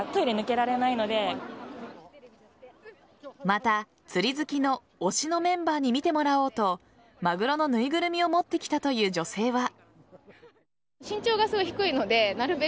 また、釣り好きの推しのメンバーに見てもらおうとマグロの縫いぐるみを持って来たという女性は。